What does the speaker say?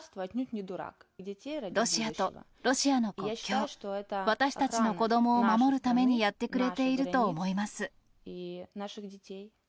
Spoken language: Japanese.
ロシアとロシアの国境、私たちの子どもを守るためにやってくれていると思います。